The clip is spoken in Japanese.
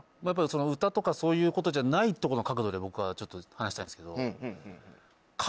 やっぱり歌とかそういうことじゃないところの角度で僕はちょっと話したいんですけど。